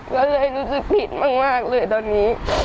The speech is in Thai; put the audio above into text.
ก็เลยรู้สึกผิดมากเลยตอนนี้